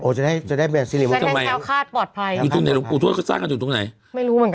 โอ้จะได้จะได้จะได้แควคาดปลอดภัยอยู่ตรงไหนหลวงปู่ทวดก็สร้างกันอยู่ตรงไหนไม่รู้เหมือนกัน